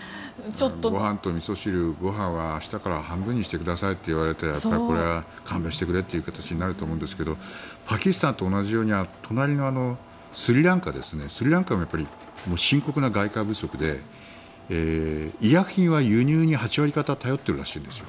ご飯とみそ汁ご飯は明日から半分にしてくれとなったらこれは勘弁してくれっていう形になると思うんですけどパキスタンと同じように隣のスリランカも深刻な外貨不足で医薬品は輸入に８割方頼っているらしいんです。